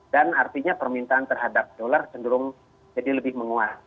dan artinya permintaan terhadap dolar cenderung jadi lebih menguas